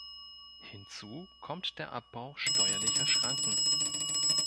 Hinzu kommt der Abbau steuerlicher Schranken.